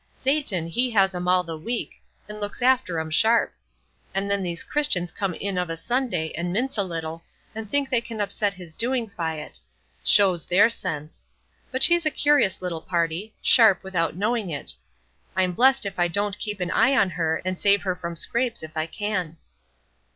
Satan, he has 'em all the week, and looks after 'em sharp; and then these Christians come in of a Sunday, and mince a little, and think they can upset his doings by it. Shows their sense! But she's a curious little party; sharp, without knowing it. I'm blessed if I don't keep an eye on her, and save her from scrapes, if I can."